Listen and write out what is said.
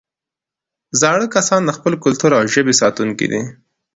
زاړه کسان د خپل کلتور او ژبې ساتونکي دي